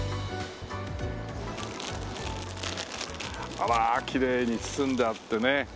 あらきれいに包んであってね。